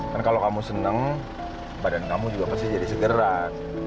kan kalau kamu seneng badan kamu juga pasti jadi segera